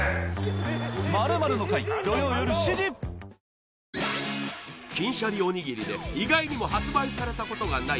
本麒麟金しゃりおにぎりで意外にも発売されたことがない